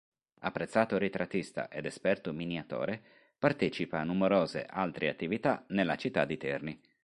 Apprezzato ritrattista ed esperto miniatore, partecipa a numerose altre attività nella città di Terni.